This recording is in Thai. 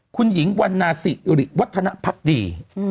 คุณหญิงวันนาศิริวัฒนภักดี